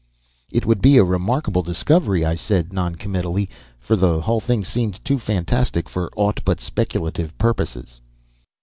"It would be a remarkable discovery," I said non committally, for the whole thing seemed too fantastic for aught but speculative purposes.